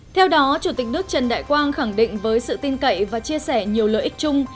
theo đó chủ tịch nước trần đại quang khẳng định với sự tin cậy và chia sẻ nhiều lợi ích chung